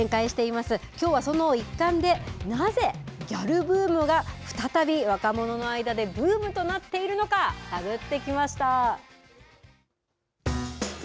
きょうはその一環で、なぜギャルブームが再び若者の間でブームとなっているのか、探ってきました。